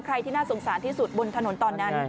ที่น่าสงสารที่สุดบนถนนตอนนั้น